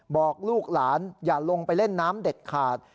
บอกลูกหลานอย่าลงไปเล่นน้ำเด็ดขาด